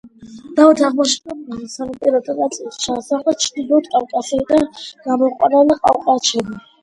დავით აღმაშენებელმა სანაპიროთა ნაწილში ჩაასახლა ჩრდილოეთ კავკასიიდან გადმოყვანილი ყივჩაღები.